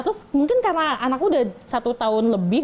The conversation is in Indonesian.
terus mungkin karena anakku udah satu tahun lebih